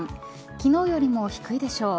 昨日よりも低いでしょう。